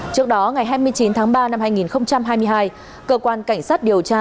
trước đó ngày hai mươi chín tháng ba năm hai nghìn hai mươi hai cơ quan cảnh sát điều tra